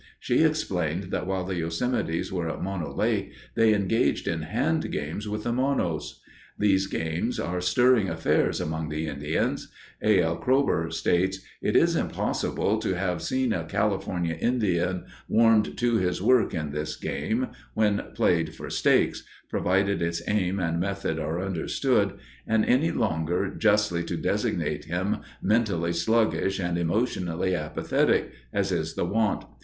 She explained that while the Yosemites were at Mono Lake they engaged in hand games with the Monos. These games are stirring affairs among the Indians. A. L. Kroeber states, "It is impossible to have seen a California Indian warmed to his work in this game when played for stakes—provided its aim and method are understood—and any longer justly to designate him mentally sluggish and emotionally apathetic, as is the wont.